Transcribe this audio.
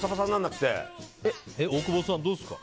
大久保さん、どうですか？